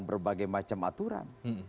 berbagai macam aturan